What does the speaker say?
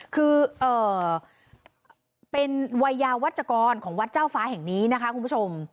คือเป็นวัยยาวัชกรของวัดเจ้าฟ้าแห่งนี้นะคะคุณผู้ชม